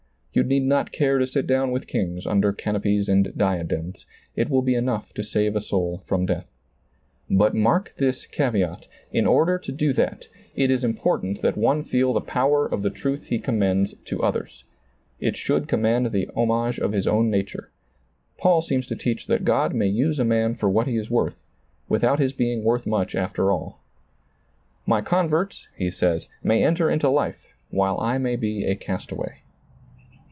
You need not care to sit down with kings under canopies and diadems — it will be enough to save a soul from death. But mark this caveat, — in order to do that, it is important that one feel the power of the truth he commends to others. It should command the homage of his own nature. Paul seems to teach that God may use a man for what he is worth, without his being worth much after ^lailizccbvGoOgle THE VALUE OF THE SOUL 141 all. " My converts," he says, " may enter into life, while I may be a castaway."